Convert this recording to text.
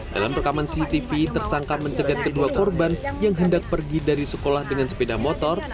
dalam rekaman cctv tersangka mencegat kedua korban yang hendak pergi dari sekolah dengan sepeda motor